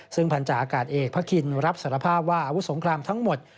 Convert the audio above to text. ซึ่งพันธาอากาศเอกพระคินรับสารภาพว่าอาวุธสงครามทั้งหมด